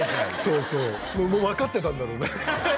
そうそうもう分かってたんだろうね